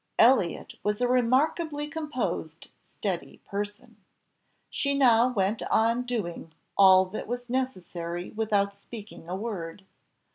Elliott was a remarkably composed, steady person. She now went on doing all that was necessary without speaking a word.